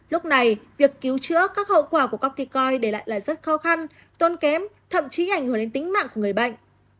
lúc này việc cứu chữa các hậu quả của corticoin để lại là rất khó khăn tốn kém thậm chí ảnh hưởng đến tính mạng của người bệnh